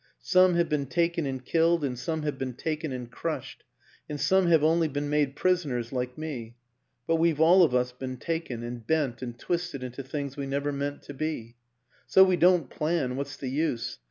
... Some have been taken and killed and some have been taken and crushed and some have only been made prisoners, like me. But we've all of us been taken and bent and twisted into things we never meant to be. ... So we don't plan what's the use